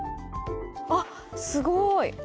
あっすごい！